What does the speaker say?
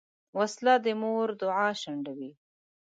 وسله د مور دعا شنډوي